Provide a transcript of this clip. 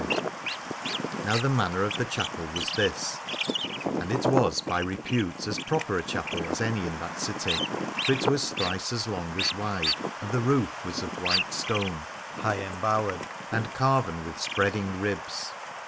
171 Alad ore Now the manner of the chapel was this : and it was by repute as proper a chapel as any in that city. For it was thrice as long as wide, and the roof was of white stone, high embowed and carven with spreading ribs.